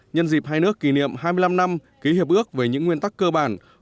nhân dịp hai nước kỷ niệm hai mươi năm năm ký hiệp ước về những nguyên tắc cơ bản